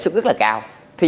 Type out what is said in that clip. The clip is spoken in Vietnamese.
lãi xuất rất là cao